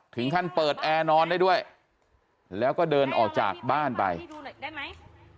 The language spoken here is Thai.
ถึงขั้นเปิดแอร์นอนได้ด้วยแล้วก็เดินออกจากบ้านไปไปดูหน่อยได้ไหม